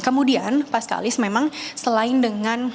kemudian pak skalis memang selain dengan silakan